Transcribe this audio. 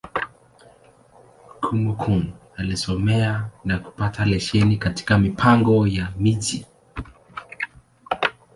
Kúmókụn alisomea, na kupata leseni katika Mipango ya Miji.